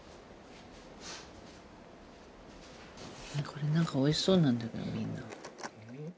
これなんかおいしそうなんだけどみんな。